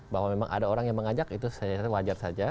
bahwa memang ada orang yang mengajak itu wajar saja